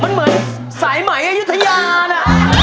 มันเหมือนสายไหมอายุทยานะ